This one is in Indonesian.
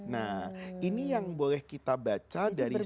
nah ini yang boleh kita baca dari